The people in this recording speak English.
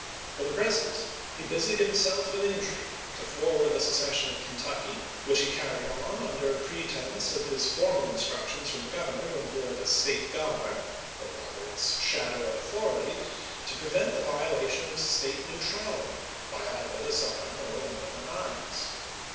For the present he busied himself with intrigue to forward the secession of Kentucky, which he car ried on under pretense of his formal instructions from the Governor to employ the " State Guard," or rather its shadow of authority, to prevent the violation of " State neutrality " by either the South ern or the Northern armies.